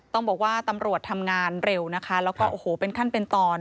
ต้องบอกว่าตำรวจทำงานเร็วนะคะแล้วก็โอ้โหเป็นขั้นเป็นตอน